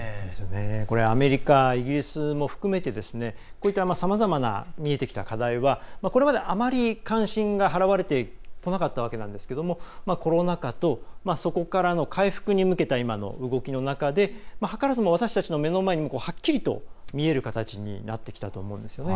アメリカイギリスも含めてこういったさまざまな見えてきた課題は今まで、あまり関心が払われてこなかったわけなんですがコロナ禍とそこからの回復に向けた今の動きの中で図らずも私たちの目の前にはっきりと見える形になってきたと思うんですよね。